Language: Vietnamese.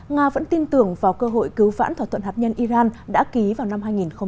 nga vẫn tin tưởng vào cơ hội cứu vãn thỏa thuận hạt nhân iran đã ký vào năm hai nghìn một mươi năm